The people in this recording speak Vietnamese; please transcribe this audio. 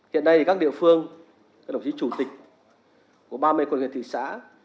hiện nay các địa phương các đồng chí chủ tịch của ba mươi quận huyện thị xã